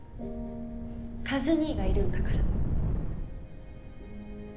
和兄がいるんだから。